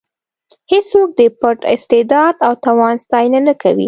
هېڅوک د پټ استعداد او توان ستاینه نه کوي.